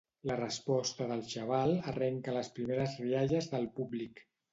La resposta del xaval arrenca les primeres rialles del públic.